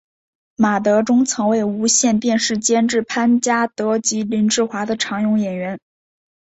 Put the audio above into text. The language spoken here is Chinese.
马德钟曾为无线电视监制潘嘉德及林志华的常用演员。